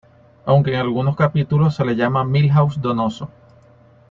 Aunque en algunos capítulos se le llama Milhouse Donoso.